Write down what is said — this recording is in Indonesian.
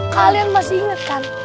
kalian masih ingetkan